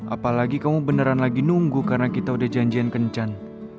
apalagi kamu beneran lagi nunggu karena kita udah janjian kencan